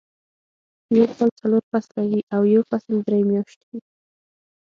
يو کال څلور فصله وي او يو فصل درې میاشتې وي.